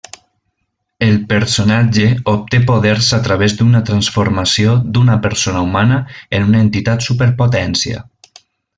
El personatge obté poders a través d'una transformació d'una persona humana en una entitat superpotència.